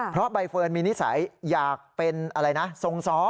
เพราะใบเฟิร์นมีนิสัยอยากเป็นอะไรนะทรงซ้อ